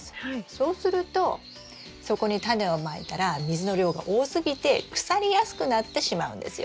そうするとそこにタネをまいたら水の量が多すぎて腐りやすくなってしまうんですよ。